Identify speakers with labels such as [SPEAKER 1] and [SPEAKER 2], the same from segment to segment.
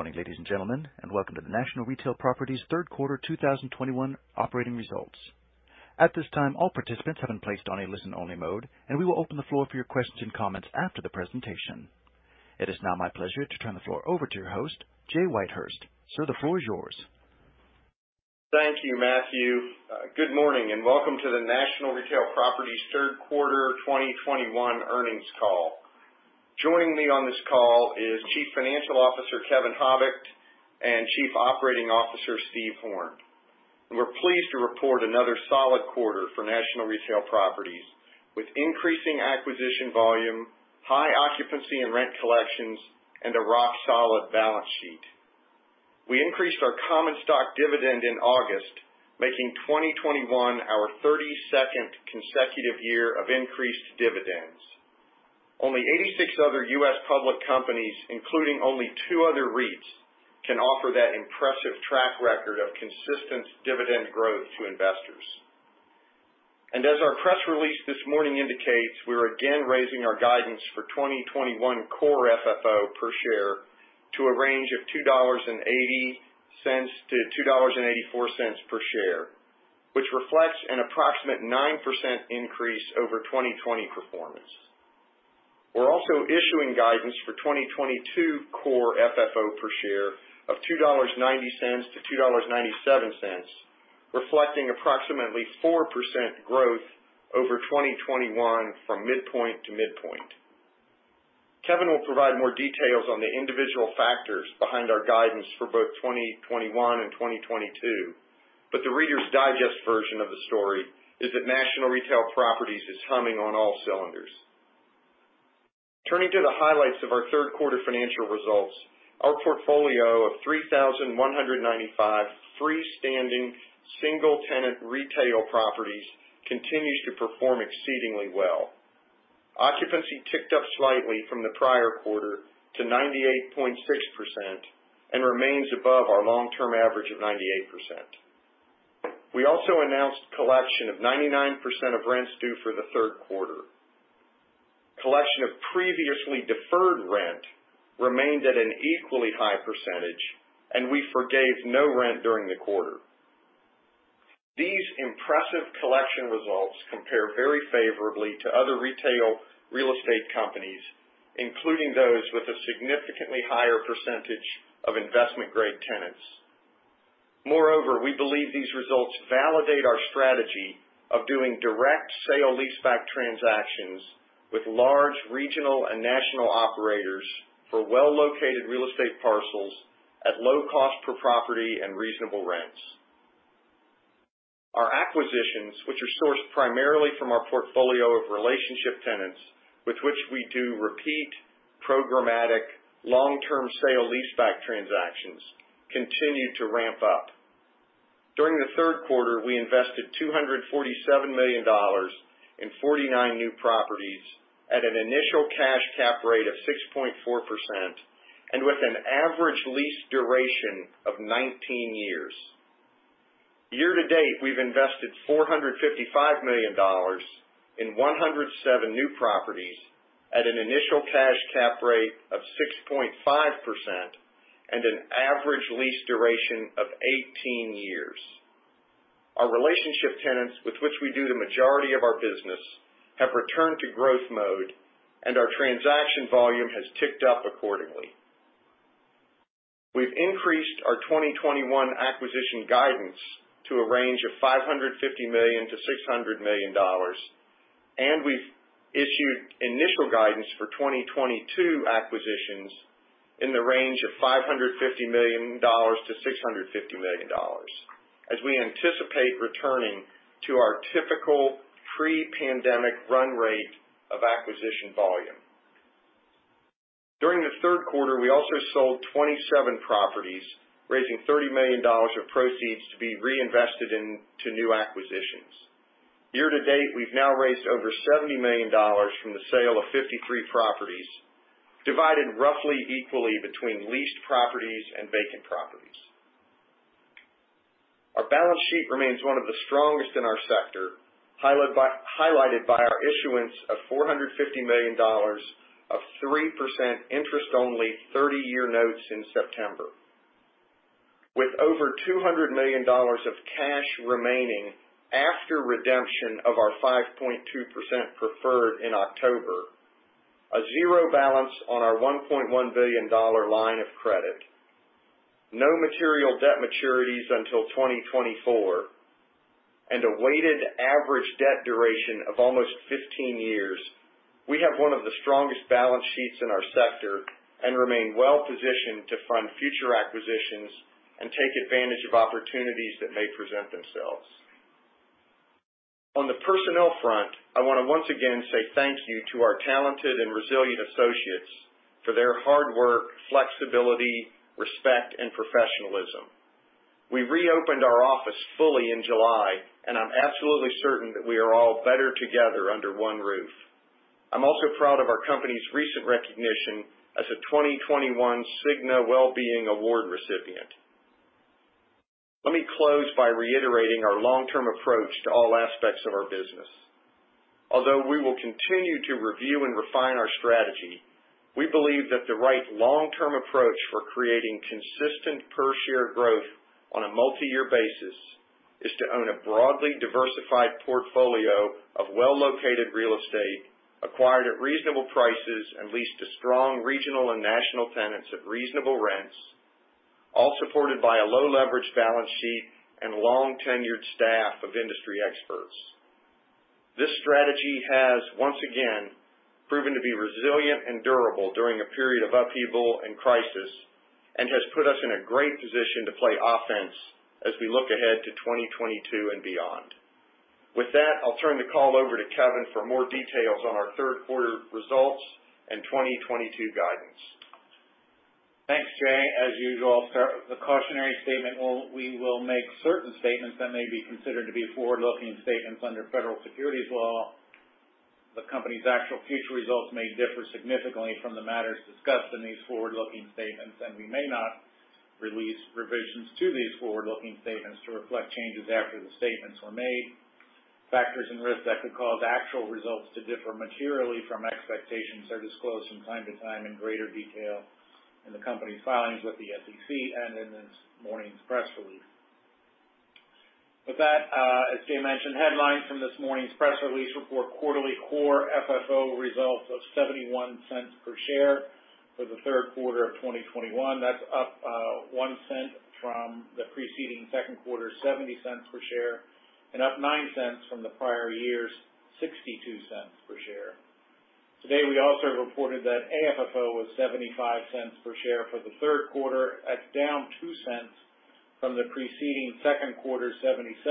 [SPEAKER 1] Morning, ladies and gentlemen, and welcome to the National Retail Properties third quarter 2021 operating results. At this time, all participants have been placed on a listen-only mode, and we will open the floor for your questions and comments after the presentation. It is now my pleasure to turn the floor over to your host, Jay Whitehurst. Sir, the floor is yours.
[SPEAKER 2] Thank you, Matthew. Good morning and welcome to the National Retail Properties third quarter 2021 earnings call. Joining me on this call is Chief Financial Officer Kevin Habicht and Chief Operating Officer Steve Horn. We're pleased to report another solid quarter for National Retail Properties, with increasing acquisition volume, high occupancy and rent collections, and a rock-solid balance sheet. We increased our common stock dividend in August, making 2021 our 32nd consecutive year of increased dividends. Only 86 other U.S. public companies, including only two other REITs, can offer that impressive track record of consistent dividend growth to investors. As our press release this morning indicates, we're again raising our guidance for 2021 Core FFO per share to a range of $2.80-$2.84 per share, which reflects an approximate 9% increase over 2020 performance. We're also issuing guidance for 2022 Core FFO per share of $2.90-$2.97, reflecting approximately 4% growth over 2021 from midpoint to midpoint. Kevin will provide more details on the individual factors behind our guidance for both 2021 and 2022, but the Reader's Digest version of the story is that National Retail Properties is humming on all cylinders. Turning to the highlights of our third quarter financial results. Our portfolio of 3,195 freestanding single-tenant retail properties continues to perform exceedingly well. Occupancy ticked up slightly from the prior quarter to 98.6% and remains above our long-term average of 98%. We also announced collection of 99% of rents due for the third quarter. Collection of previously deferred rent remained at an equally high percentage, and we forgave no rent during the quarter. These impressive collection results compare very favorably to other retail real estate companies, including those with a significantly higher percentage of investment-grade tenants. Moreover, we believe these results validate our strategy of doing direct sale leaseback transactions with large regional and national operators for well-located real estate parcels at low cost per property and reasonable rents. Our acquisitions, which are sourced primarily from our portfolio of relationship tenants, with which we do repeat programmatic long-term sale leaseback transactions, continue to ramp up. During the third quarter, we invested $247 million in 49 new properties at an initial cash cap rate of 6.4% and with an average lease duration of 19 years. Year to date, we've invested $455 million in 107 new properties at an initial cash cap rate of 6.5% and an average lease duration of 18 years. Our relationship tenants, with which we do the majority of our business, have returned to growth mode and our transaction volume has ticked up accordingly. We've increased our 2021 acquisition guidance to a range of $550 million-$600 million, and we've issued initial guidance for 2022 acquisitions in the range of $550 million-$650 million as we anticipate returning to our typical pre-pandemic run rate of acquisition volume. During the third quarter, we also sold 27 properties, raising $30 million of proceeds to be reinvested into new acquisitions. Year to date, we've now raised over $70 million from the sale of 53 properties, divided roughly equally between leased properties and vacant properties. Our balance sheet remains one of the strongest in our sector, highlighted by our issuance of $450 million of 3% interest only 30-year notes in September. With over $200 million of cash remaining after redemption of our 5.2% preferred in October, a $0 balance on our $1.1 billion line of credit, no material debt maturities until 2024, and a weighted average debt duration of almost 15 years, we have one of the strongest balance sheets in our sector and remain well positioned to fund future acquisitions and take advantage of opportunities that may present themselves. On the personnel front, I wanna once again say thank you to our talented and resilient associates for their hard work, flexibility, respect, and professionalism. We reopened our office fully in July, and I'm absolutely certain that we are all better together under one roof. I'm also proud of our company's recent recognition as a 2021 Cigna Well-Being Award recipient. Let me close by reiterating our long-term approach to all aspects of our business. Although we will continue to review and refine our strategy, we believe that the right long-term approach for creating consistent per share growth on a multi-year basis is to own a broadly diversified portfolio of well-located real estate acquired at reasonable prices and leased to strong regional and national tenants at reasonable rents, all supported by a low leverage balance sheet and long tenured staff of industry experts. This strategy has, once again, proven to be resilient and durable during a period of upheaval and crisis, and has put us in a great position to play offense as we look ahead to 2022 and beyond. With that, I'll turn the call over to Kevin for more details on our third quarter results and 2022 guidance.
[SPEAKER 3] Thanks, Jay. As usual, sir, the cautionary statement will. We will make certain statements that may be considered to be forward-looking statements under federal securities law. The company's actual future results may differ significantly from the matters discussed in these forward-looking statements, and we may not release revisions to these forward-looking statements to reflect changes after the statements were made. Factors and risks that could cause actual results to differ materially from expectations are disclosed from time to time in greater detail in the company's filings with the SEC and in this morning's press release. With that, as Jay mentioned, headlines from this morning's press release report quarterly Core FFO results of $0.71 per share for the third quarter of 2021. That's up, one cent from the preceding second quarter, $0.70 per share, and up nine cents from the prior year's $0.62 per share. Today, we also reported that AFFO was $0.75 per share for the third quarter. That's down $0.02 from the preceding second quarter's $0.77,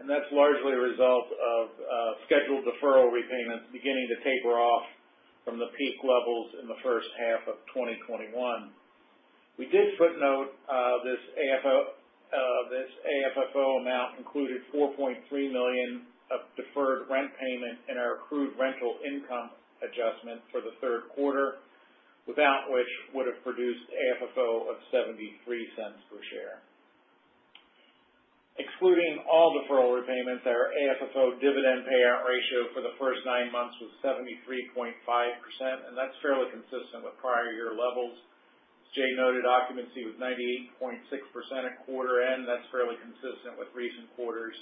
[SPEAKER 3] and that's largely a result of scheduled deferral repayments beginning to taper off from the peak levels in the first half of 2021. We did footnote this AFFO amount included $4.3 million of deferred rent payment in our accrued rental income adjustment for the third quarter, without which would have produced AFFO of $0.73 per share. Excluding all deferral repayments, our AFFO dividend payout ratio for the first nine months was 73.5%, and that's fairly consistent with prior year levels. Jay noted occupancy was 98.6% at quarter end. That's fairly consistent with recent quarters.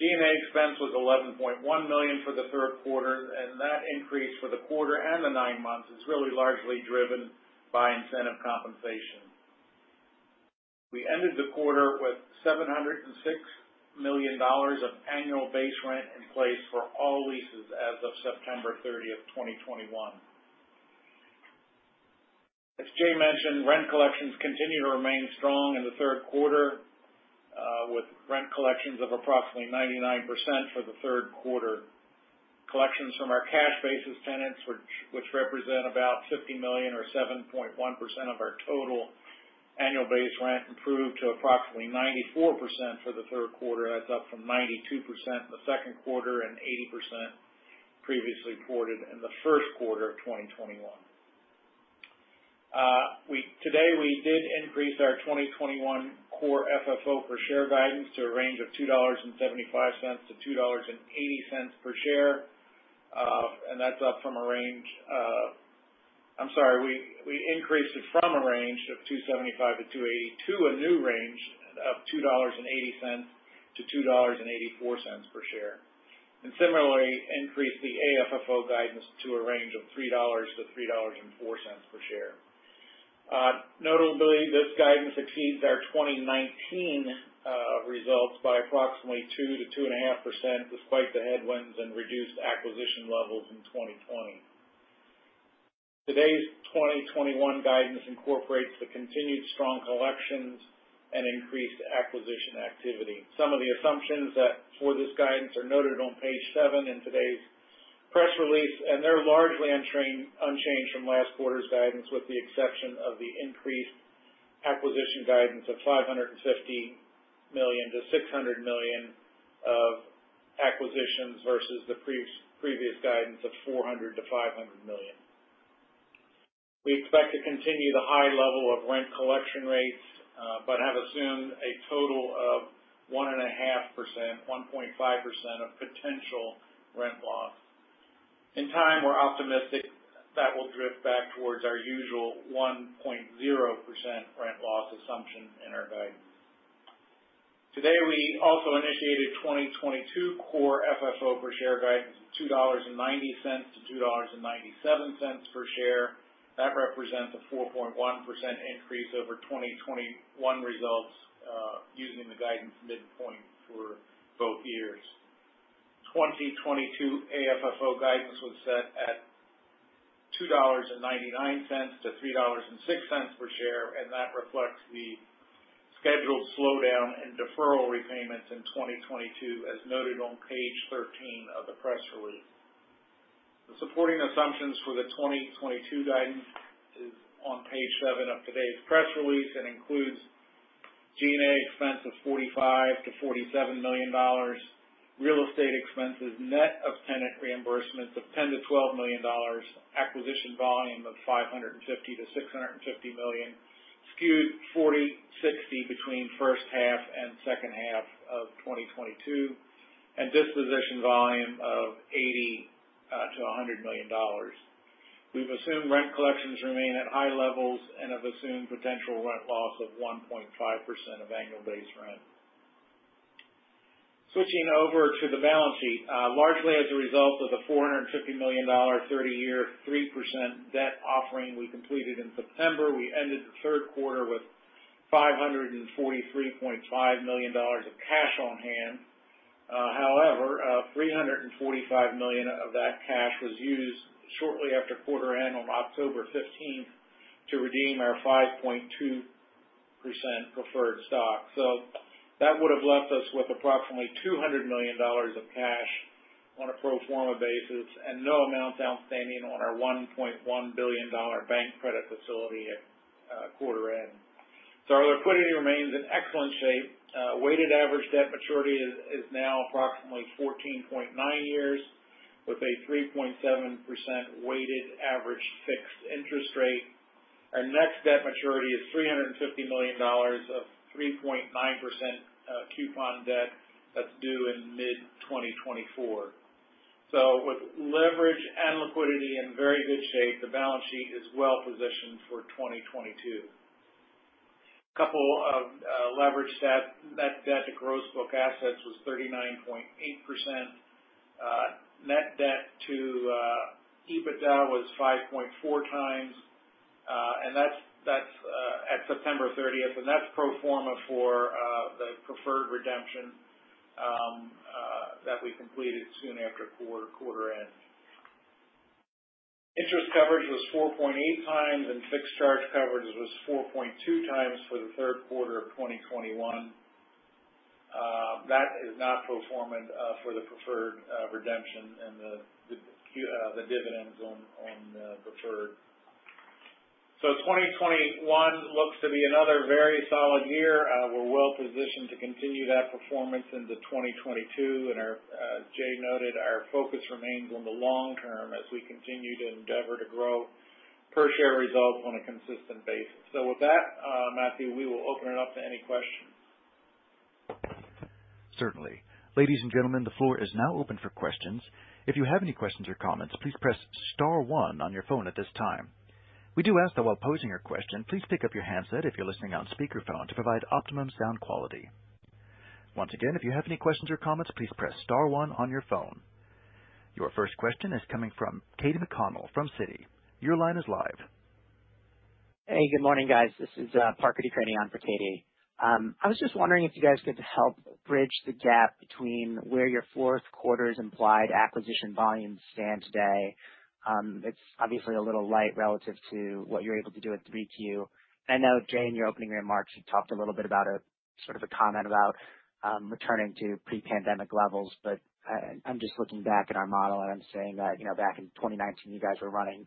[SPEAKER 3] G&A expense was $11.1 million for the third quarter, and that increase for the quarter and the nine months is really largely driven by incentive compensation. We ended the quarter with $706 million of annual base rent in place for all leases as of September 30, 2021. As Jay mentioned, rent collections continue to remain strong in the third quarter, with rent collections of approximately 99% for the third quarter. Collections from our cash basis tenants, which represent about $50 million or 7.1% of our total annual base rent, improved to approximately 94% for the third quarter. That's up from 92% in the second quarter and 80% previously reported in the first quarter of 2021. Today, we increased our 2021 Core FFO per share guidance to a range of $2.75-$2.80 per share. That's up from a range of $2.75-$2.82. We increased it from a range of $2.75-$2.82 to a new range of $2.80-$2.84 per share. Similarly, we increased the AFFO guidance to a range of $3.00-$3.04 per share. Notably, this guidance exceeds our 2019 results by approximately 2%-2.5% despite the headwinds and reduced acquisition levels in 2020. Today's 2021 guidance incorporates the continued strong collections and increased acquisition activity. Some of the assumptions that for this guidance are noted on page seven in today's press release, and they're largely unchanged from last quarter's guidance, with the exception of the increased acquisition guidance of $550 million-$600 million of acquisitions versus the previous guidance of $400 million-$500 million. We expect to continue the high level of rent collection rates, but have assumed a total of 1.5%, 1.5% of potential rent loss. In time, we're optimistic that will drift back towards our usual 1.0% rent loss assumption in our guidance. Today, we also initiated 2022 Core FFO per share guidance of $2.90-$2.97 per share. That represents a 4.1% increase over 2021 results, using the guidance midpoint for both years. 2022 AFFO guidance was set at $2.99-$3.06 per share, and that reflects the scheduled slowdown in deferral repayments in 2022, as noted on page 13 of the press release. The supporting assumptions for the 2022 guidance is on page seven of today's press release. It includes G&A expense of $45 million-$47 million, real estate expenses net of tenant reimbursements of $10 million-$12 million. Acquisition volume of $550 million-$650 million, skewed 40/60 between first half and second half of 2022, and disposition volume of $80 million-$100 million. We've assumed rent collections remain at high levels and have assumed potential rent loss of 1.5% of annual base rent. Switching over to the balance sheet. Largely as a result of the $450 million 30-year 3% debt offering we completed in September, we ended the third quarter with $543.5 million of cash on hand. However, $345 million of that cash was used shortly after quarter end on October 15 to redeem our 5.2% preferred stock. That would have left us with approximately $200 million of cash on a pro forma basis, and no amounts outstanding on our $1.1 billion bank credit facility at quarter end. Our liquidity remains in excellent shape. Weighted average debt maturity is now approximately 14.9 years with a 3.7% weighted average fixed interest rate. Our next debt maturity is $350 million of 3.9% coupon debt that's due in mid-2024. With leverage and liquidity in very good shape, the balance sheet is well positioned for 2022. A couple of leverage stats. Net debt to gross book assets was 39.8%. Net debt to EBITDA was 5.4x, and that's at September 30, and that's pro forma for the preferred redemption that we completed soon after quarter end. Interest coverage was 4.8x, and fixed charge coverage was 4.2x for the third quarter of 2021. That is not pro forma for the preferred redemption and the dividends on the preferred. 2021 looks to be another very solid year. We're well positioned to continue that performance into 2022. As Jay noted, our focus remains on the long term as we continue to endeavor to grow per share results on a consistent basis. With that, Matthew, we will open it up to any questions.
[SPEAKER 1] Certainly. Ladies and gentlemen, the floor is now open for questions. If you have any questions or comments, please press star one on your phone at this time. We do ask that while posing your question, please pick up your handset if you're listening on speaker phone to provide optimum sound quality. Once again, if you have any questions or comments, please press star one on your phone. Your first question is coming from Katy McConnell from Citi. Your line is live.
[SPEAKER 4] Hey, good morning, guys. This is Parker Decraene on for Katie. I was just wondering if you guys could help bridge the gap between where your fourth quarter's implied acquisition volumes stand today. It's obviously a little light relative to what you're able to do at 3Q. I know, Jay, in your opening remarks, you talked a little bit about a sort of a comment about returning to pre-pandemic levels. I'm just looking back at our model, and I'm saying that, you know, back in 2019, you guys were running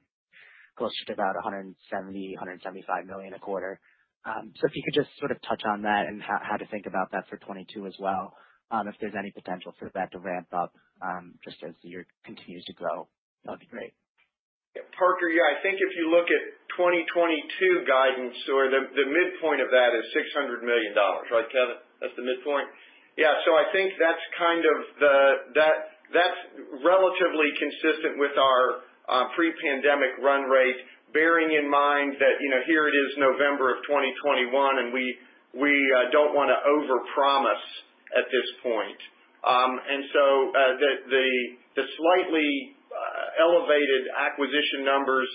[SPEAKER 4] closer to about $170 million-$175 million a quarter. If you could just sort of touch on that and how to think about that for 2022 as well, if there's any potential for that to ramp up just as the year continues to grow, that'd be great.
[SPEAKER 2] Parker, yeah. I think if you look at 2022 guidance or the midpoint of that is $600 million. Right, Kevin? That's the midpoint? Yeah. I think that's kind of the. That's relatively consistent with our pre-pandemic run rate, bearing in mind that, you know, here it is November 2021, and we don't wanna overpromise at this point. The slightly elevated acquisition numbers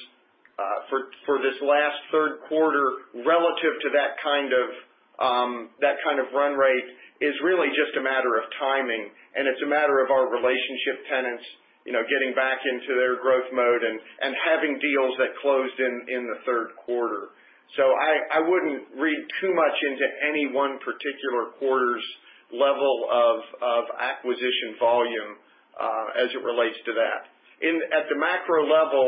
[SPEAKER 2] for this last third quarter relative to that kind of run rate is really just a matter of timing, and it's a matter of our relationship tenants, you know, getting back into their growth mode and having deals that closed in the third quarter.
[SPEAKER 3] I wouldn't read too much into any one particular quarter's level of acquisition volume as it relates to that. At the macro level,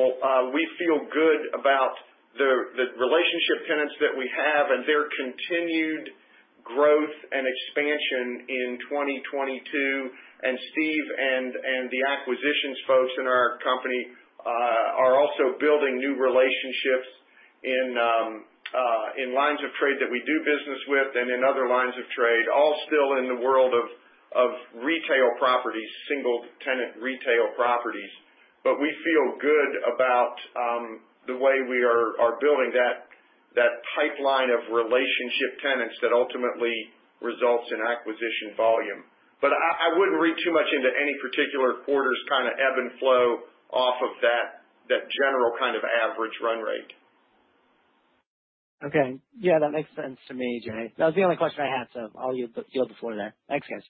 [SPEAKER 3] we feel good about the relationship tenants that we have and their continued growth and expansion in 2022. Steve and the acquisitions folks in our company are also building new relationships in lines of trade that we do business with and in other lines of trade, all still in the world of retail properties, single-tenant retail properties. We feel good about the way we are building that pipeline of relationship tenants that ultimately results in acquisition volume. I wouldn't read too much into any particular quarter's kinda ebb and flow off of that general kind of average run rate.
[SPEAKER 4] Okay. Yeah, that makes sense to me, Jay. That was the only question I had, so I'll yield the floor there. Thanks, guys.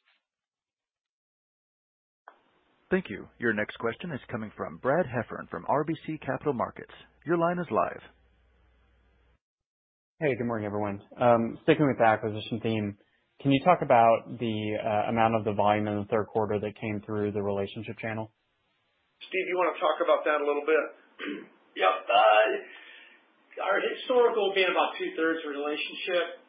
[SPEAKER 1] Thank you. Your next question is coming from Brad Heffern from RBC Capital Markets. Your line is live.
[SPEAKER 5] Hey, good morning, everyone. Sticking with the acquisition theme, can you talk about the amount of the volume in the third quarter that came through the relationship channel?
[SPEAKER 3] Steve, you wanna talk about that a little bit?
[SPEAKER 6] Yeah. Our historical being about two-thirds relationship,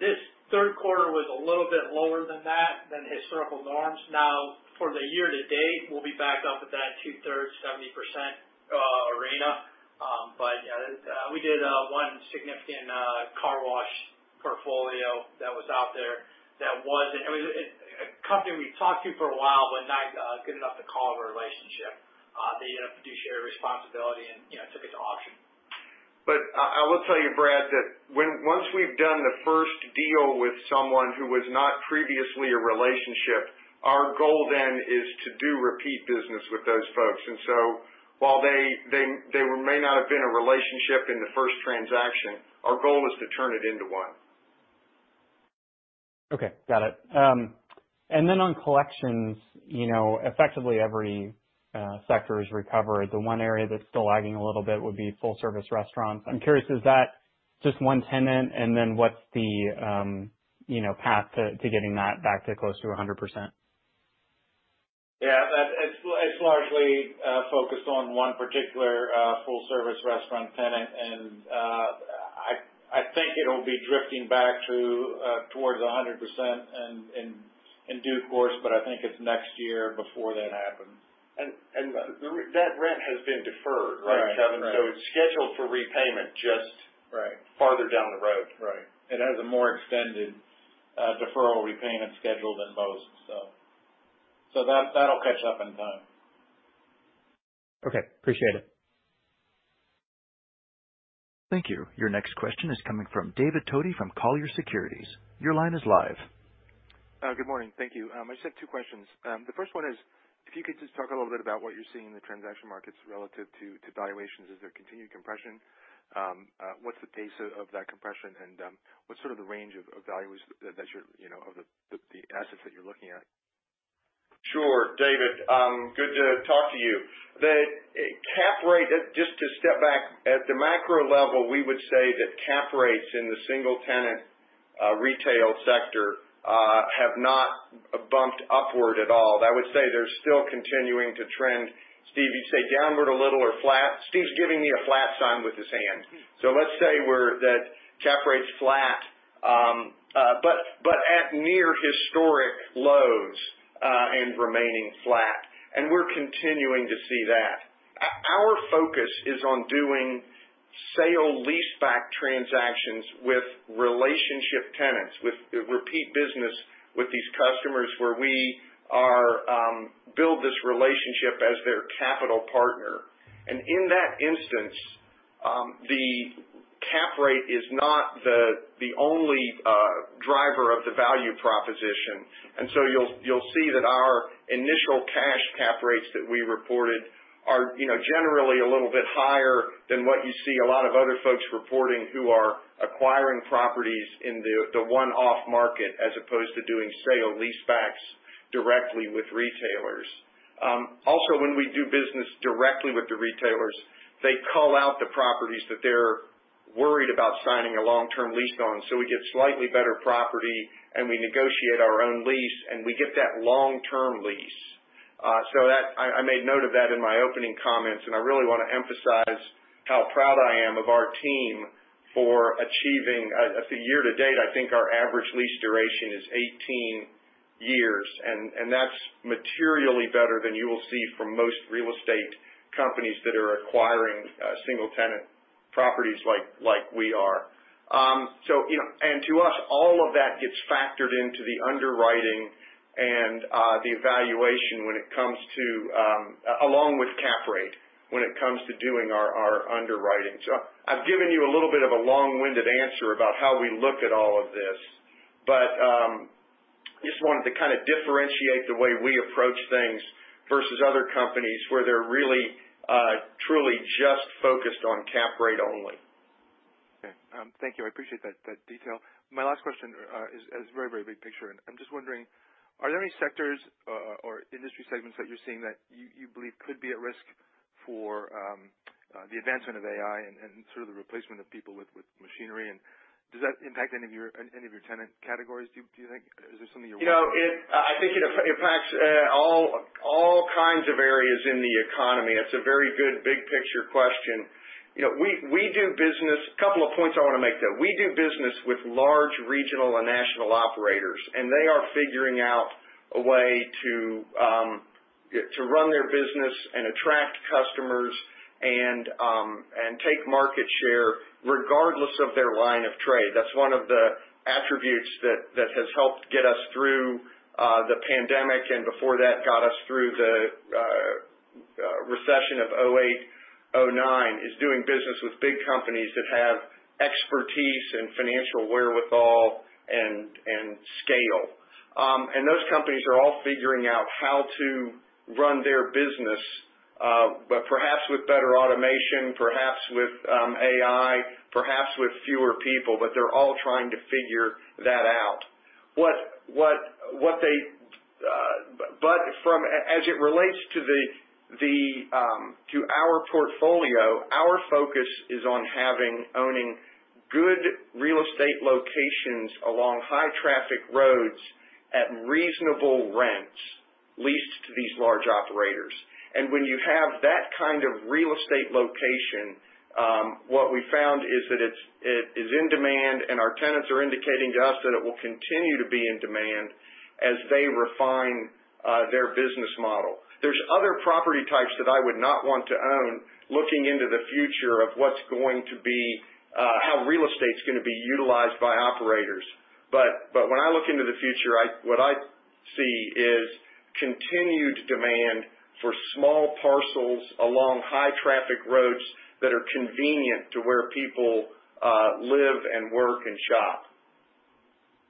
[SPEAKER 6] this third quarter was a little bit lower than historical norms. Now, for the year to date, we'll be back up at that two-thirds, 70% area. Yeah, we did one significant car wash portfolio that was out there that wasn't. It was a company we've talked to for a while, but not good enough to call a relationship. They had a fiduciary responsibility and, you know, took it to auction.
[SPEAKER 2] I will tell you, Brad, that once we've done the first deal with someone who was not previously a relationship, our goal then is to do repeat business with those folks. While they may not have been a relationship in the first transaction, our goal is to turn it into one.
[SPEAKER 5] Okay. Got it. On collections, you know, effectively every sector is recovered. The one area that's still lagging a little bit would be full service restaurants. I'm curious, is that just one tenant? What's the, you know, path to getting that back to close to 100%?
[SPEAKER 6] Yeah. It's largely focused on one particular full service restaurant tenant. I think it'll be drifting back towards 100% in due course, but I think it's next year before that happens.
[SPEAKER 2] That rent has been deferred, right, Kevin?
[SPEAKER 3] Right.
[SPEAKER 2] It's scheduled for repayment.
[SPEAKER 3] Right
[SPEAKER 2] Farther down the road.
[SPEAKER 3] Right. It has a more extended deferral repayment schedule than most. That, that'll catch up in time.
[SPEAKER 5] Okay. Appreciate it.
[SPEAKER 1] Thank you. Your next question is coming from David Todi from Colliers Securities. Your line is live.
[SPEAKER 7] Good morning. Thank you. I just have two questions. The first one is, if you could just talk a little bit about what you're seeing in the transaction markets relative to valuations. Is there continued compression? What's the pace of that compression? What's sort of the range of values that you're, you know, of the assets that you're looking at?
[SPEAKER 2] Sure, David. Good to talk to you. The cap rate. Just to step back. At the macro level, we would say that cap rates in the single tenant retail sector have not bumped upward at all. I would say they're still continuing to trend. Steve, you say downward a little or flat? Steve's giving me a flat sign with his hands. Let's say that cap rate's flat, but at near historic lows, and remaining flat. We're continuing to see that. Our focus is on doing sale-leaseback transactions with relationship tenants, with repeat business with these customers where we are build this relationship as their capital partner. In that instance, the cap rate is not the only driver of the value proposition. You'll see that our initial cash cap rates that we reported are, you know, generally a little bit higher than what you see a lot of other folks reporting who are acquiring properties in the one-off market as opposed to doing sale-leasebacks directly with retailers. Also, when we do business directly with the retailers, they call out the properties that they're worried about signing a long-term lease on. We get slightly better property, and we negotiate our own lease, and we get that long-term lease. I made note of that in my opening comments, and I really wanna emphasize how proud I am of our team for achieving. As of year to date, I think our average lease duration is 18 years, and that's materially better than you will see from most real estate companies that are acquiring single tenant properties like we are. You know, to us, all of that gets factored into the underwriting and the evaluation when it comes to along with cap rate, when it comes to doing our underwriting. I've given you a little bit of a long-winded answer about how we look at all of this, but just wanted to kinda differentiate the way we approach things versus other companies where they're really truly just focused on cap rate only.
[SPEAKER 7] Okay. Thank you. I appreciate that detail. My last question is very big picture, and I'm just wondering, are there any sectors or industry segments that you're seeing that you believe could be at risk for the advancement of AI and sort of the replacement of people with machinery? And does that impact any of your tenant categories, do you think?
[SPEAKER 2] You know, I think it impacts all kinds of areas in the economy. That's a very good big picture question. You know, couple of points I wanna make, though. We do business with large regional and national operators, and they are figuring out a way to run their business and attract customers and take market share regardless of their line of trade. That's one of the attributes that has helped get us through the pandemic and before that got us through the recession of 2008, 2009, is doing business with big companies that have expertise and financial wherewithal and scale. Those companies are all figuring out how to run their business, but perhaps with better automation, perhaps with AI, perhaps with fewer people, but they're all trying to figure that out. As it relates to our portfolio, our focus is on owning good real estate locations along high traffic roads at reasonable rents leased to these large operators. When you have that kind of real estate location, what we found is that it is in demand, and our tenants are indicating to us that it will continue to be in demand as they refine their business model. There's other property types that I would not want to own looking into the future of what's going to be how real estate is gonna be utilized by operators. When I look into the future, what I see is continued demand for small parcels along high traffic roads that are convenient to where people live and work and shop.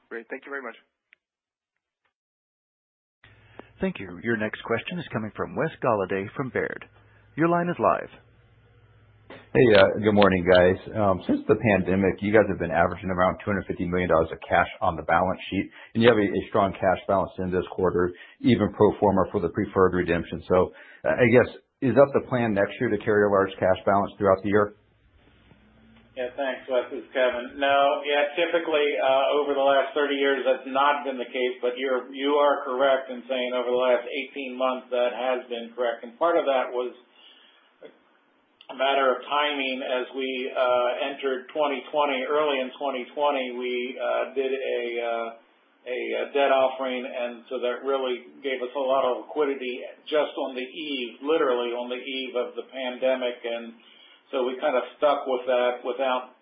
[SPEAKER 7] Great. Thank you very much.
[SPEAKER 1] Thank you. Your next question is coming from Wes Golladay from Baird. Your line is live.
[SPEAKER 8] Hey, good morning, guys. Since the pandemic, you guys have been averaging around $250 million of cash on the balance sheet, and you have a strong cash balance in this quarter, even pro forma for the preferred redemption. I guess, is that the plan next year to carry a large cash balance throughout the year?
[SPEAKER 3] Yeah, thanks, Wes. It's Kevin. No. Yeah, typically over the last 30 years, that's not been the case, but you are correct in saying over the last 18 months that has been correct. Part of that was a matter of timing as we entered 2020. Early in 2020, we did a debt offering, and so that really gave us a lot of liquidity just on the eve, literally on the eve of the pandemic. We kind of stuck with that without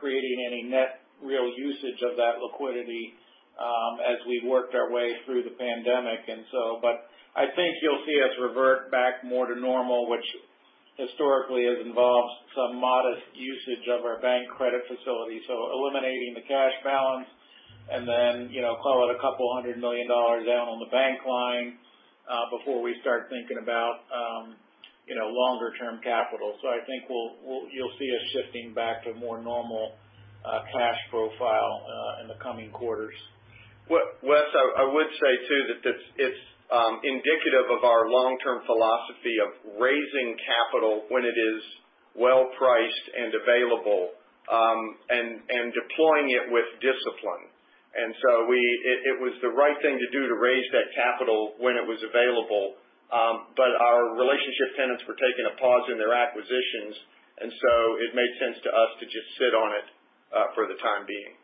[SPEAKER 3] creating any net real usage of that liquidity as we worked our way through the pandemic. I think you'll see us revert back more to normal, which historically has involved some modest usage of our bank credit facility. Eliminating the cash balance and then call it $200 million down on the bank line before we start thinking about longer term capital. I think we'll, you'll see us shifting back to a more normal cash profile in the coming quarters.
[SPEAKER 2] Wes, I would say too that it's indicative of our long-term philosophy of raising capital when it is well priced and available, and deploying it with discipline. It was the right thing to do to raise that capital when it was available, but our relationship tenants were taking a pause in their acquisitions, and so it made sense to us to just sit on it for the time being.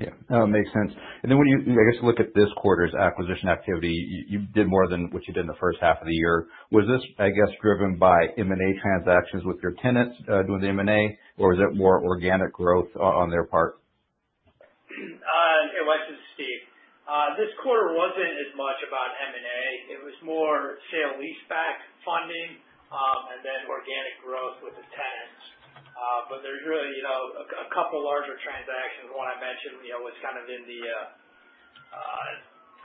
[SPEAKER 8] Yeah. No, it makes sense. Then when you, I guess, look at this quarter's acquisition activity, you did more than what you did in the first half of the year. Was this, I guess, driven by M&A transactions with your tenants doing the M&A, or was it more organic growth on their part?
[SPEAKER 6] Hey, Wes. It's Steve. This quarter wasn't as much about M&A. It was more sale-leaseback funding, and then organic growth with the tenants. There's really, you know, a couple larger transactions. The one I mentioned, you know, was kind of in the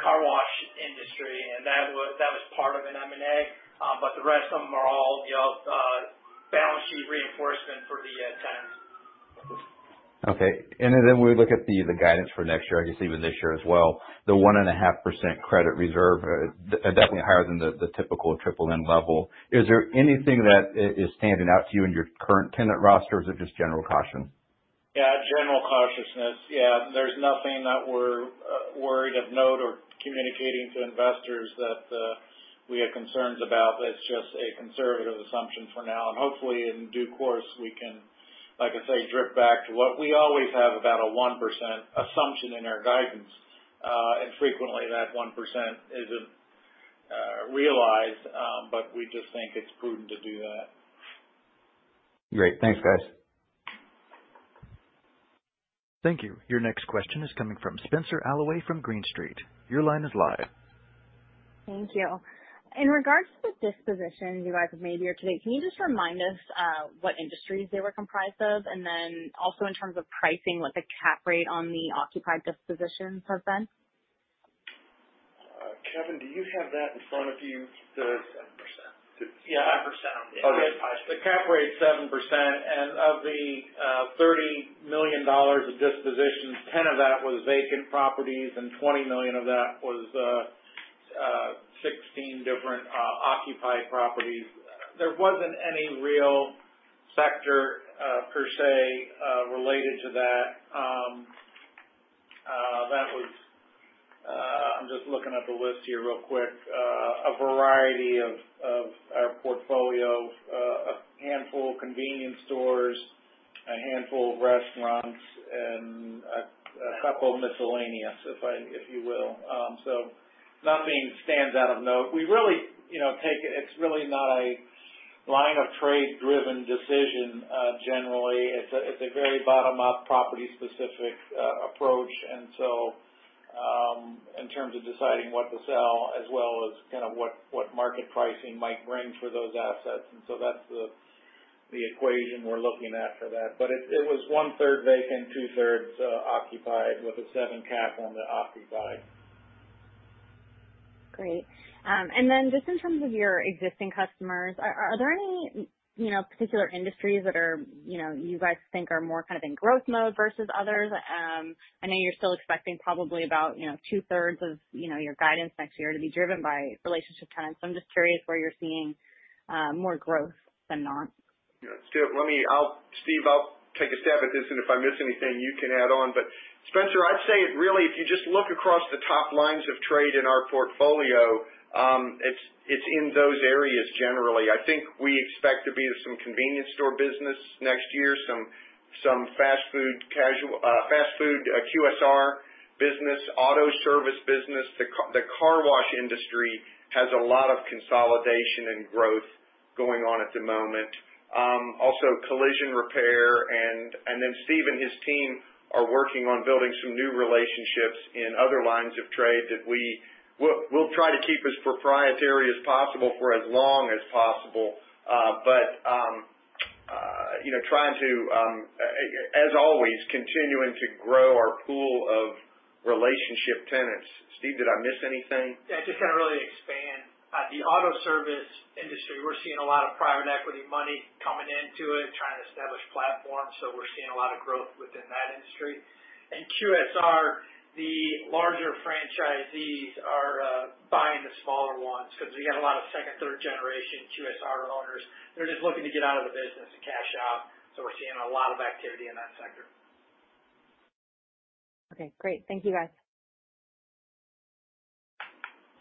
[SPEAKER 6] car wash industry, and that was part of an M&A. The rest of them are all, you know, balance sheet reinforcement for the tenants.
[SPEAKER 8] Okay. When we look at the guidance for next year, I guess even this year as well, the 1.5% credit reserve definitely higher than the typical triple N level. Is there anything that is standing out to you in your current tenant roster or is it just general caution?
[SPEAKER 3] Yeah, general cautiousness. Yeah. There's nothing that we're worried of note or communicating to investors that we have concerns about. It's just a conservative assumption for now. Hopefully in due course we can, like I say, drift back to what we always have about a 1% assumption in our guidance. Frequently that 1% isn't realized, but we just think it's prudent to do that.
[SPEAKER 8] Great. Thanks, guys.
[SPEAKER 1] Thank you. Your next question is coming from Spenser Allaway from Green Street. Your line is live.
[SPEAKER 9] Thank you. In regards to the dispositions you guys have made here today, can you just remind us, what industries they were comprised of? Also in terms of pricing, what the cap rate on the occupied dispositions have been?
[SPEAKER 2] Kevin, do you have that in front of you?
[SPEAKER 3] 7%.
[SPEAKER 2] Yeah.
[SPEAKER 3] 7%.
[SPEAKER 2] Okay.
[SPEAKER 3] The cap rate's 7%. Of the $30 million of dispositions, $10 million of that was vacant properties, and $20 million of that was 16 different occupied properties. There wasn't any real sector per se related to that. I'm just looking at the list here real quick. A variety of our portfolio. A handful of convenience stores, a handful of restaurants, and a couple of miscellaneous, if you will. Nothing stands out of note. We really, you know, take. It's really not a line of trade-driven decision generally. It's a very bottom-up, property-specific approach. In terms of deciding what to sell, as well as kind of what market pricing might bring for those assets. That's the equation we're looking at for that. It was one-third vacant, two-thirds occupied with a seven cap on the occupied.
[SPEAKER 9] Great. Just in terms of your existing customers, are there any, you know, particular industries that are, you know, you guys think are more kind of in growth mode versus others? I know you're still expecting probably about, you know, two-thirds of, you know, your guidance next year to be driven by relationship tenants. I'm just curious where you're seeing more growth than not.
[SPEAKER 2] Yeah. Let me, I'll take a stab at this, and if I miss anything, you can add on. Spencer, I'd say it really, if you just look across the top lines of trade in our portfolio, it's in those areas generally. I think we expect to be in some convenience store business next year, some fast food QSR business, auto service business. The car wash industry has a lot of consolidation and growth going on at the moment. Also collision repair and then Steve and his team are working on building some new relationships in other lines of trade that we'll try to keep as proprietary as possible for as long as possible. You know, trying to, as always, continuing to grow our pool of relationship tenants. Steve, did I miss anything?
[SPEAKER 6] Yeah. Just to kind of really expand. The auto service industry, we're seeing a lot of private equity money coming into it and trying to establish platforms, so we're seeing a lot of growth within that industry. In QSR, the larger franchisees are buying the smaller ones because we got a lot of second, third generation QSR owners. They're just looking to get out of the business and cash out. We're seeing a lot of activity in that sector.
[SPEAKER 9] Okay, great. Thank you, guys.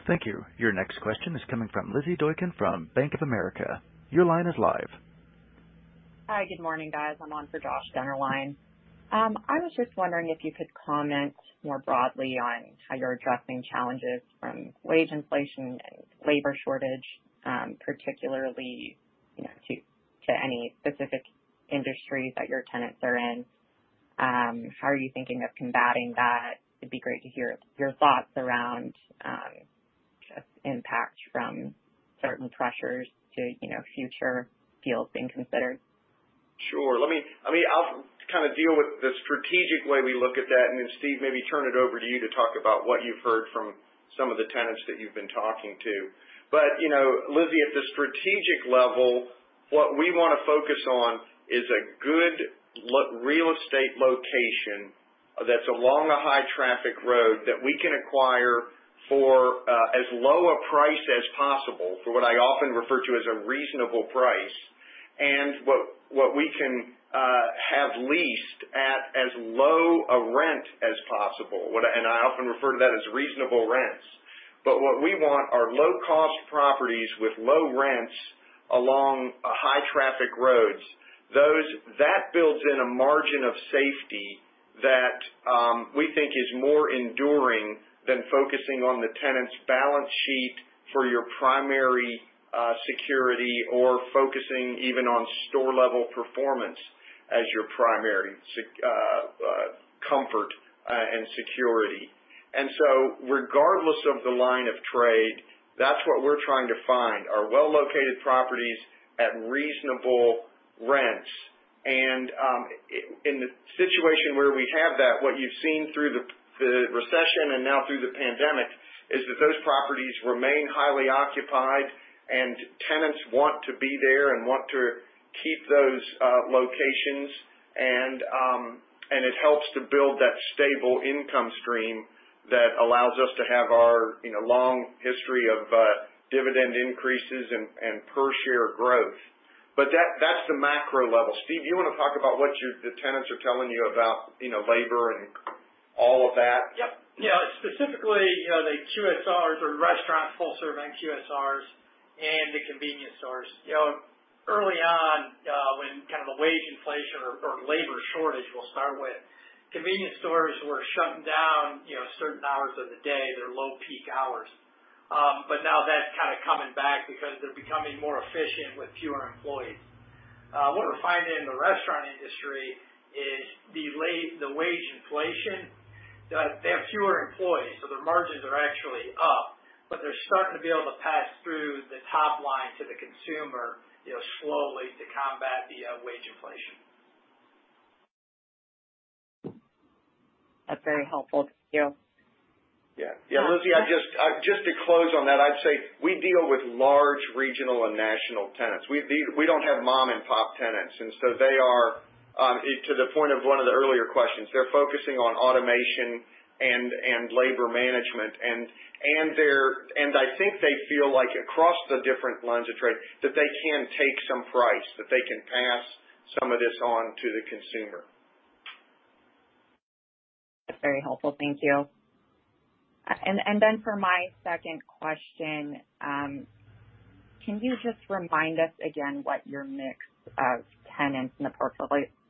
[SPEAKER 1] Thank you. Your next question is coming from Lizzy Doykan from Bank of America. Your line is live.
[SPEAKER 10] Hi. Good morning, guys. I'm on for Joshua Dennerlein. I was just wondering if you could comment more broadly on how you're addressing challenges from wage inflation and labor shortage, particularly, you know, to any specific industries that your tenants are in. How are you thinking of combating that? It'd be great to hear your thoughts around just impact from certain pressures to, you know, future deals being considered.
[SPEAKER 2] Sure. I'll kind of deal with the strategic way we look at that, and then, Steve, maybe turn it over to you to talk about what you've heard from some of the tenants that you've been talking to. You know, Lizzy, at the strategic level, what we wanna focus on is a good real estate location that's along a high traffic road that we can acquire for as low a price as possible, for what I often refer to as a reasonable price, and what we can have leased at as low a rent as possible. I often refer to that as reasonable rents. What we want are low cost properties with low rents along high traffic roads. That builds in a margin of safety that we think is more enduring than focusing on the tenant's balance sheet for your primary security or focusing even on store-level performance as your primary comfort and security. Regardless of the line of trade, that's what we're trying to find, are well-located properties at reasonable rents. In the situation where we have that, what you've seen through the recession and now through the pandemic, is that those properties remain highly occupied and tenants want to be there and want to keep those locations and it helps to build that stable income stream that allows us to have our, you know, long history of dividend increases and per share growth. That that's the macro level. Steve, do you wanna talk about what the tenants are telling you about, you know, labor and all of that?
[SPEAKER 6] Yep. Yeah. Specifically, you know, the QSRs or restaurant full service QSRs and the convenience stores. You know, early on, when kind of a wage inflation or labor shortage, we'll start with, convenience stores were shutting down, you know, certain hours of the day, their low peak hours. Now that's kinda coming back because they're becoming more efficient with fewer employees. What we're finding in the restaurant industry is the wage inflation, they have fewer employees, so their margins are actually up, but they're starting to be able to pass through the top line to the consumer, you know, slowly to combat the wage inflation.
[SPEAKER 10] That's very helpful. Thank you.
[SPEAKER 2] Yeah. Yeah, Lizzy, I just to close on that, I'd say we deal with large regional and national tenants. We don't have mom-and-pop tenants, and so they are to the point of one of the earlier questions, they're focusing on automation and labor management. I think they feel like across the different lines of trade, that they can take some price, that they can pass some of this on to the consumer.
[SPEAKER 10] That's very helpful. Thank you. And then for my second question, can you just remind us again what your mix of tenants in the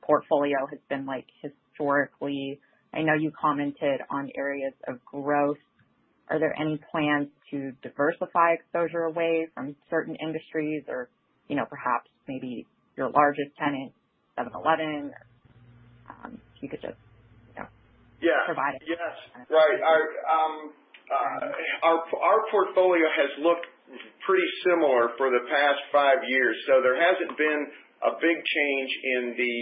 [SPEAKER 10] portfolio has been like historically? I know you commented on areas of growth. Are there any plans to diversify exposure away from certain industries or, you know, perhaps maybe your largest tenant, 7-Eleven? If you could just, you know-
[SPEAKER 2] Yeah.
[SPEAKER 10] Provide it.
[SPEAKER 2] Yes. Right. Our portfolio has looked pretty similar for the past five years. There hasn't been a big change in the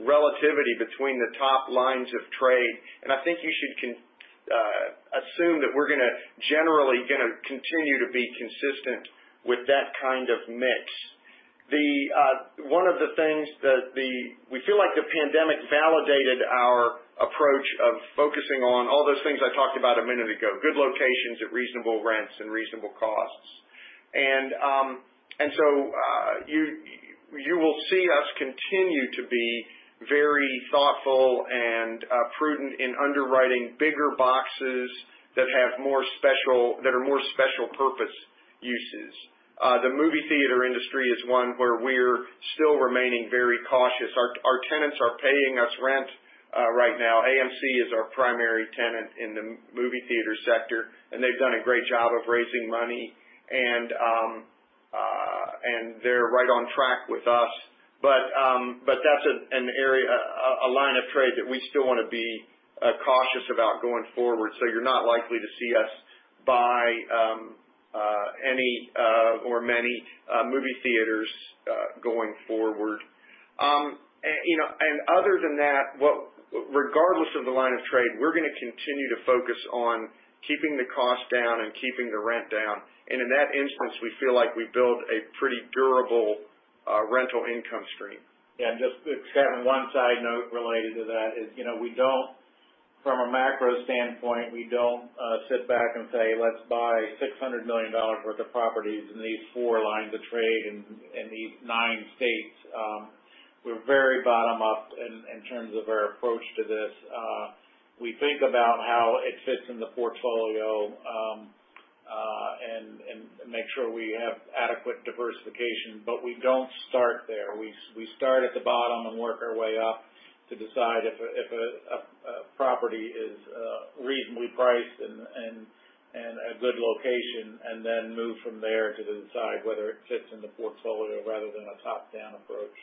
[SPEAKER 2] relativity between the top lines of trade. I think you should assume that we're gonna generally continue to be consistent with that kind of mix. One of the things that we feel like the pandemic validated our approach of focusing on all those things I talked about a minute ago, good locations at reasonable rents and reasonable costs. You will see us continue to be very thoughtful and prudent in underwriting bigger boxes that have more special purpose uses. The movie theater industry is one where we're still remaining very cautious. Our tenants are paying us rent right now. AMC is our primary tenant in the movie theater sector, and they've done a great job of raising money. They're right on track with us. That's an area, a line of trade that we still wanna be cautious about going forward, so you're not likely to see us buy any or many movie theaters going forward. You know, other than that, regardless of the line of trade, we're gonna continue to focus on keeping the costs down and keeping the rent down. In that instance, we feel like we build a pretty durable rental income stream.
[SPEAKER 3] Yeah, just, one side note related to that is, you know, we don't, from a macro standpoint, we don't sit back and say, "Let's buy $600 million worth of properties in these four lines of trade in these nine states." We're very bottom-up in terms of our approach to this. We think about how it fits in the portfolio, and make sure we have adequate diversification, but we don't start there. We start at the bottom and work our way up to decide if a property is reasonably priced and a good location, and then move from there to decide whether it fits in the portfolio rather than a top-down approach.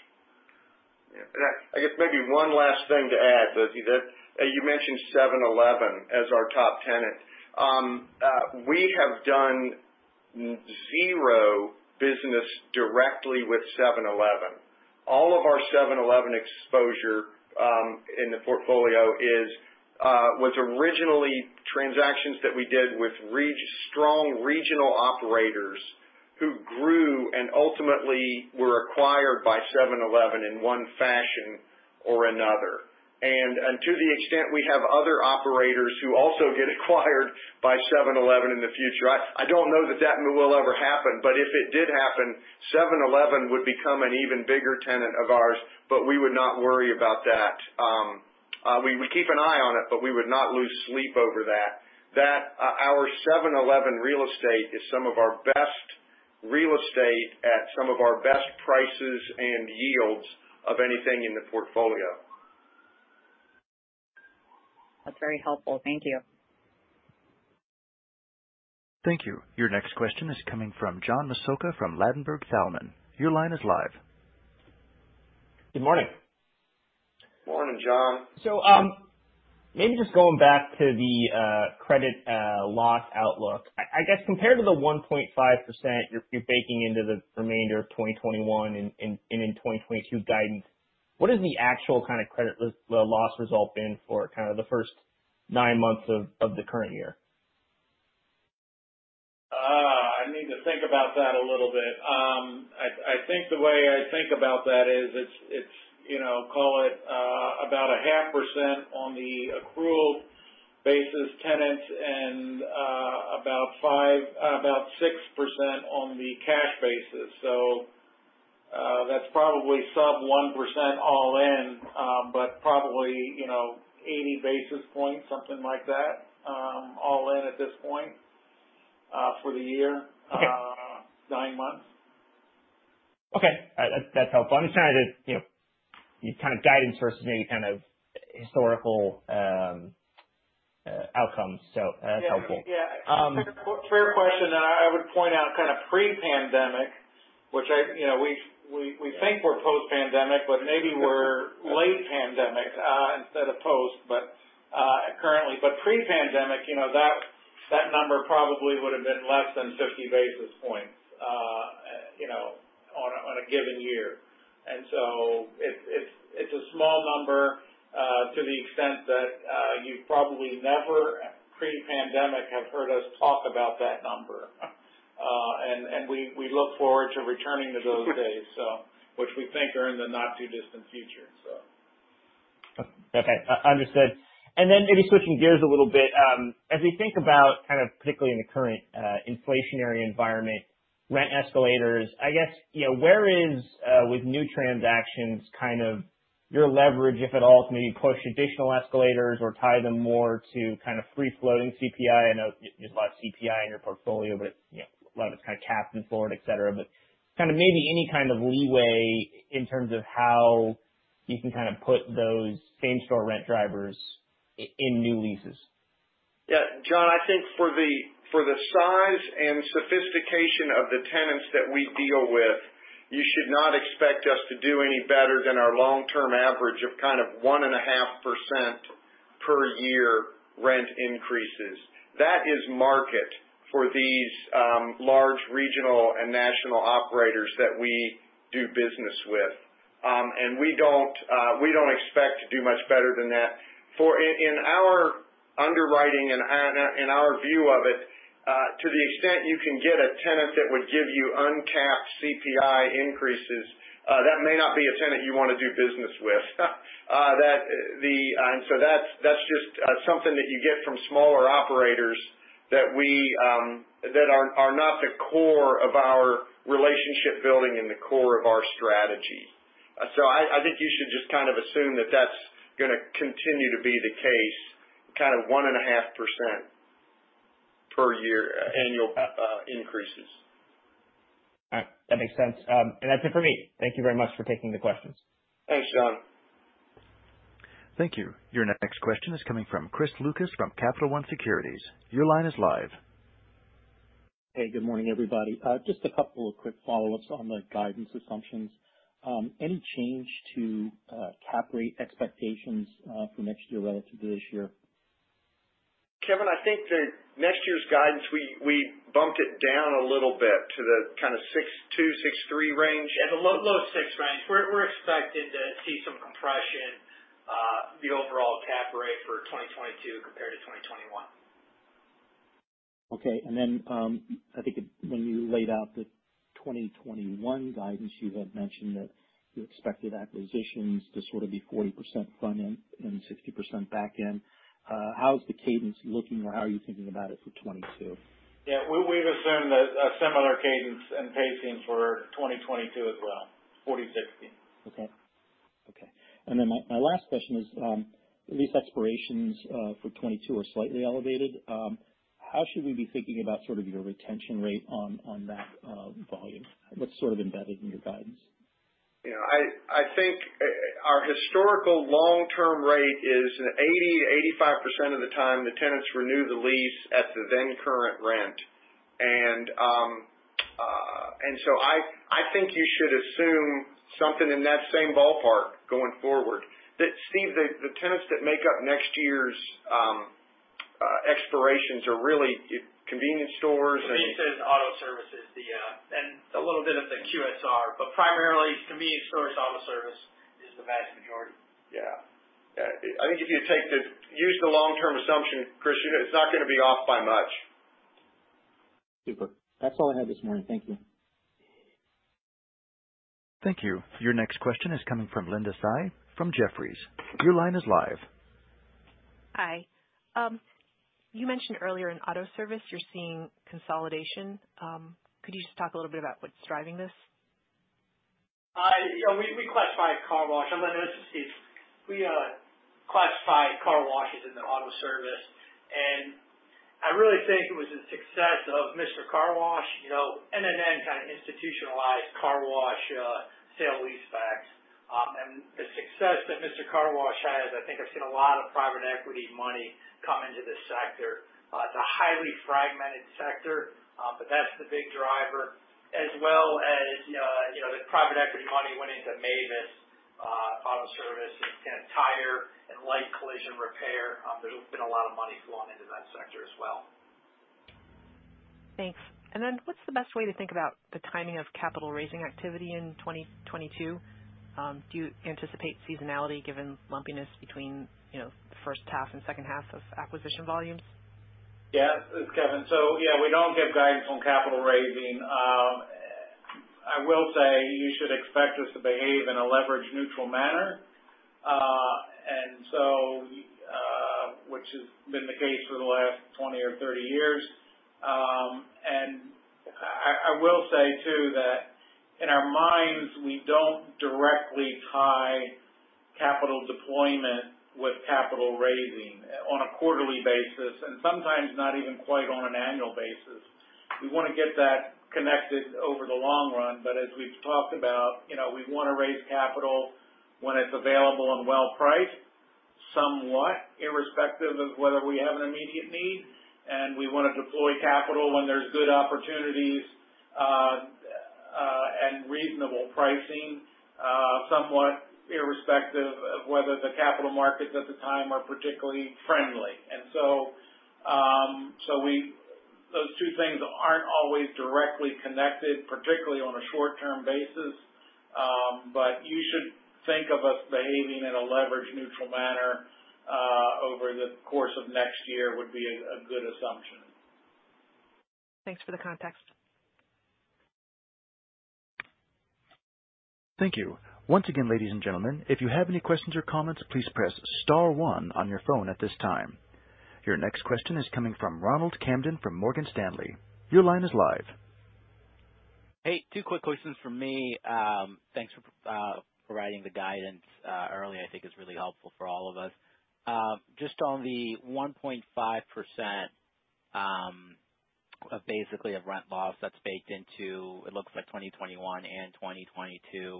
[SPEAKER 2] Yeah. I guess maybe one last thing to add, Betsy, that you mentioned 7-Eleven as our top tenant. We have done zero business directly with 7-Eleven. All of our 7-Eleven exposure in the portfolio was originally transactions that we did with strong regional operators who grew and ultimately were acquired by 7-Eleven in one fashion or another. To the extent we have other operators who also get acquired by 7-Eleven in the future, I don't know that move will ever happen, but if it did happen, 7-Eleven would become an even bigger tenant of ours, but we would not worry about that. We would keep an eye on it, but we would not lose sleep over that. That, our 7-Eleven real estate is some of our best real estate at some of our best prices and yields of anything in the portfolio.
[SPEAKER 10] That's very helpful. Thank you.
[SPEAKER 1] Thank you. Your next question is coming from John Massocca from Ladenburg Thalmann. Your line is live.
[SPEAKER 11] Good morning.
[SPEAKER 2] Morning, John.
[SPEAKER 11] Maybe just going back to the credit loss outlook. I guess compared to the 1.5% you're baking into the remainder of 2021 and in 2022 guidance, what is the actual kind of credit loss result been for kind of the first 9 months of the current year?
[SPEAKER 2] I need to think about that a little bit. I think the way I think about that is it's you know call it about 0.5% on the accrual basis tenants and about 6% on the cash basis. That's probably sub 1% all in but probably you know 80 basis points something like that all in at this point for the year.
[SPEAKER 11] Okay.
[SPEAKER 2] Nine months.
[SPEAKER 11] Okay. That's helpful. I'm just trying to, you know, kind of guidance versus maybe kind of historical outcomes. That's helpful.
[SPEAKER 2] Yeah. Fair question. I would point out kind of pre-pandemic, which I, you know, we think we're post-pandemic, but maybe we're late pandemic, instead of post, but currently. Pre-pandemic, you know, that number probably would've been less than 50 basis points, you know, on a given year. It's a small number, to the extent that you probably never pre-pandemic have heard us talk about that number. We look forward to returning to those days, which we think are in the not too distant future, so.
[SPEAKER 11] Okay. Understood. Maybe switching gears a little bit, as we think about kind of particularly in the current inflationary environment, rent escalators, I guess, you know, where is with new transactions kind of your leverage, if at all, to maybe push additional escalators or tie them more to kind of free-floating CPI? I know you don't have CPI in your portfolio, but you know, a lot of it's kind of capped and forward, et cetera. Kind of maybe any kind of leeway in terms of how you can kind of put those same store rent drivers in new leases.
[SPEAKER 2] Yeah. John, I think for the size and sophistication of the tenants that we deal with, you should not expect us to do any better than our long-term average of kind of 1.5%.
[SPEAKER 3] Per year rent increases. That is market for these large regional and national operators that we do business with. We don't expect to do much better than that. For in our underwriting and in our view of it, to the extent you can get a tenant that would give you uncapped CPI increases, that may not be a tenant you wanna do business with. That's just something that you get from smaller operators that are not the core of our relationship building and the core of our strategy. I think you should just kind of assume that that's gonna continue to be the case, kind of 1.5% per year annual increases.
[SPEAKER 11] All right. That makes sense. That's it for me. Thank you very much for taking the questions.
[SPEAKER 3] Thanks, John.
[SPEAKER 1] Thank you. Your next question is coming from Chris Lucas from Capital One Securities. Your line is live.
[SPEAKER 12] Hey, good morning, everybody. Just a couple of quick follow-ups on the guidance assumptions. Any change to cap rate expectations for next year relative to this year?
[SPEAKER 3] Kevin, I think the next year's guidance, we bumped it down a little bit to the kinda 6.2-6.3 range.
[SPEAKER 6] Yeah, the low six range. We're expected to see some compression, the overall cap rate for 2022 compared to 2021.
[SPEAKER 12] Okay. When you laid out the 2021 guidance, you had mentioned that you expected acquisitions to sort of be 40% front-end and 60% back-end. How's the cadence looking or how are you thinking about it for 2022?
[SPEAKER 3] Yeah. We've assumed a similar cadence and pacing for 2022 as well, 40-60.
[SPEAKER 12] My last question is, lease expirations for 2022 are slightly elevated. How should we be thinking about sort of your retention rate on that volume? What's sort of embedded in your guidance?
[SPEAKER 3] You know, I think our historical long-term rate is 80%-85% of the time the tenants renew the lease at the then current rent. So I think you should assume something in that same ballpark going forward. Steve, the tenants that make up next year's expirations are really convenience stores and
[SPEAKER 6] Convenience and auto services. A little bit of the QSR, but primarily convenience stores, auto service is the vast majority.
[SPEAKER 3] Yeah. I think if you use the long-term assumption, Chris, you're not gonna be off by much.
[SPEAKER 12] Super. That's all I had this morning. Thank you.
[SPEAKER 1] Thank you. Your next question is coming from Linda Tsai from Jefferies. Your line is live.
[SPEAKER 13] Hi. You mentioned earlier in auto service you're seeing consolidation. Could you just talk a little bit about what's driving this?
[SPEAKER 6] Yeah. We classify car wash. Linda, this is Steve. We classify car washes in the auto service, and I really think it was the success of Mister Car Wash, you know, kind of institutionalized car wash sale leasebacks. The success that Mister Car Wash has, I think has seen a lot of private equity money come into the sector. It's a highly fragmented sector, but that's the big driver as well as, you know, the private equity money went into Mavis auto service and tire and light collision repair. There's been a lot of money flowing into that sector as well.
[SPEAKER 13] Thanks. What's the best way to think about the timing of capital raising activity in 2022? Do you anticipate seasonality given lumpiness between, you know, the first half and second half of acquisition volumes?
[SPEAKER 3] Yeah. It's Kevin. You know, we don't give guidance on capital raising. I will say you should expect us to behave in a leverage neutral manner, which has been the case for the last 20 or 30 years. I will say too that in our minds, we don't directly tie capital deployment with capital raising on a quarterly basis, and sometimes not even quite on an annual basis. We wanna get that connected over the long run, but as we've talked about, you know, we wanna raise capital when it's available and well priced, somewhat irrespective of whether we have an immediate need. We wanna deploy capital when there's good opportunities and reasonable pricing, somewhat irrespective of whether the capital markets at the time are particularly friendly. Those two things aren't always directly connected, particularly on a short-term basis. You should think of us behaving in a leverage neutral manner over the course of next year would be a good assumption.
[SPEAKER 13] Thanks for the context.
[SPEAKER 1] Thank you. Once again, ladies and gentlemen, if you have any questions or comments, please press star one on your phone at this time. Your next question is coming from Ronald Kamdem from Morgan Stanley. Your line is live.
[SPEAKER 14] Hey, two quick questions from me. Thanks for providing the guidance early, I think is really helpful for all of us. Just on the 1.5%, basically of rent loss that's baked into, it looks like, 2021 and 2022. You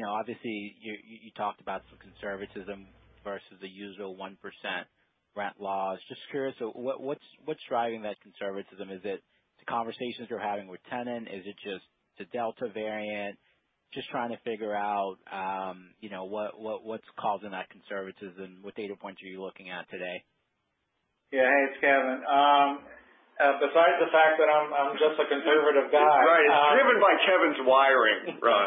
[SPEAKER 14] know, obviously you talked about some conservatism versus the usual 1% rent loss. Just curious, what's driving that conservatism? Is it the conversations you're having with tenant? Is it just the Delta variant? Just trying to figure out, you know, what's causing that conservatism. What data points are you looking at today?
[SPEAKER 3] Yeah. Hey, it's Kevin. Besides the fact that I'm just a conservative guy.
[SPEAKER 2] Right. It's driven by Kevin's wiring, Ron.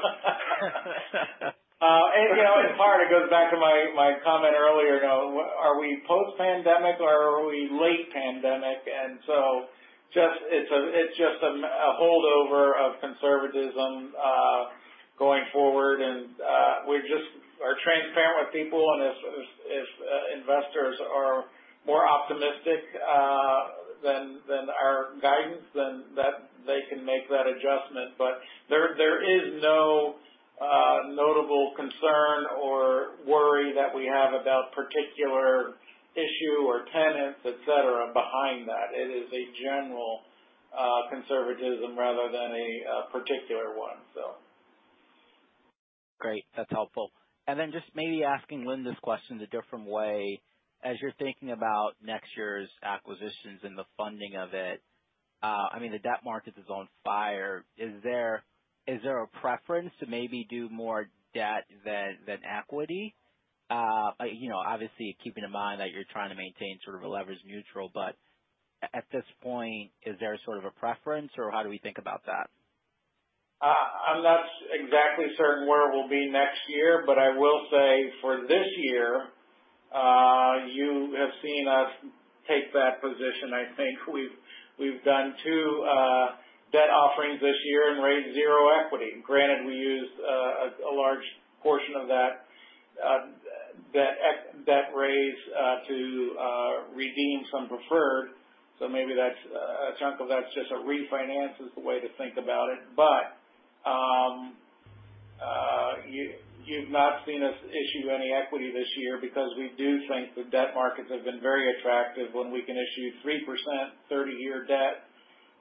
[SPEAKER 3] You know, in part it goes back to my comment earlier, you know, are we post-pandemic or are we late pandemic? It's just a holdover of conservatism going forward. We just are transparent with people, and if investors are more optimistic than our guidance, then they can make that adjustment. There is no notable concern or worry that we have about particular issue or tenants, et cetera, behind that. It is a general conservatism rather than a particular one, so.
[SPEAKER 14] Great. That's helpful. Just maybe asking Linda's question a different way. As you're thinking about next year's acquisitions and the funding of it, I mean, the debt market is on fire. Is there a preference to maybe do more debt than equity? You know, obviously keeping in mind that you're trying to maintain sort of a leverage neutral, but at this point, is there sort of a preference or how do we think about that?
[SPEAKER 3] I'm not exactly certain where we'll be next year, but I will say for this year, you have seen us take that position. I think we've done two debt offerings this year and raised 0 equity. Granted, we used a large portion of that debt raise to redeem some preferred, so maybe that's a chunk of that's just a refinance is the way to think about it. You've not seen us issue any equity this year because we do think the debt markets have been very attractive. When we can issue 3% 30-year debt,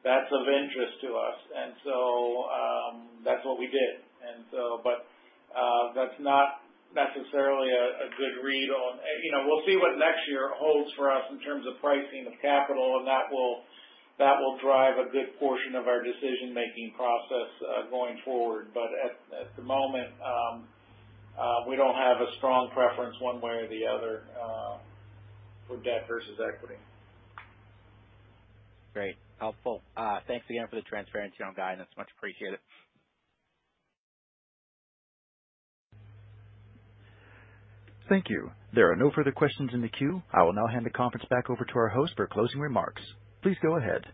[SPEAKER 3] that's of interest to us. That's what we did. That's not necessarily a good read on. You know, we'll see what next year holds for us in terms of pricing of capital, and that will drive a good portion of our decision-making process, going forward. At the moment, we don't have a strong preference one way or the other, for debt versus equity.
[SPEAKER 14] Great. Helpful. Thanks again for the transparency on guidance. Much appreciated.
[SPEAKER 1] Thank you. There are no further questions in the queue. I will now hand the conference back over to our host for closing remarks. Please go ahead.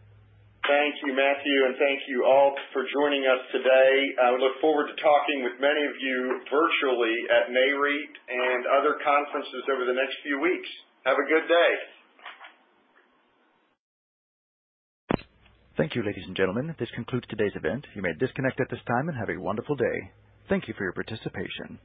[SPEAKER 2] Thank you, Matthew, and thank you all for joining us today. I look forward to talking with many of you virtually at NAREIT and other conferences over the next few weeks. Have a good day.
[SPEAKER 1] Thank you, ladies and gentlemen. This concludes today's event. You may disconnect at this time and have a wonderful day. Thank you for your participation.